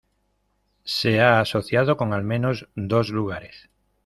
Se ha asociado con al menos dos lugares.